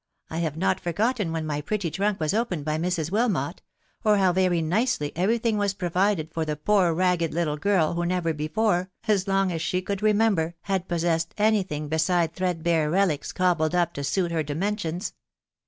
I have not forgotten when my pretty trunk was opened by Mrs. Wilmot, .... ox \\ow "*«rj \&»&i ws*^ D D 4 403 THE WIDOW BARNABT. thing was provided for the poor ragged little girl who never before, as long as she could remember, had possessed any thing beside threadbare relics, cobbled up to suit her cUmerjaiofes.